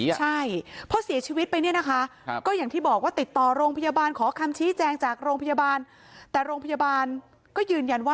ใช่เพราะเสียชีวิตไปนี่นะคะ